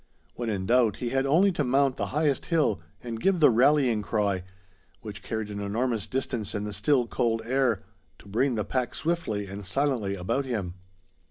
When in doubt he had only to mount the highest hill and give the rallying cry, which carried an enormous distance in the still cold air, to bring the pack swiftly and silently about him.